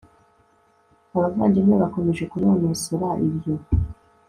abavandimwe bakomeje kunonosora ibyo